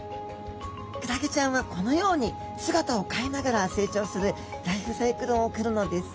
クラゲちゃんはこのように姿を変えながら成長するライフサイクルを送るのです。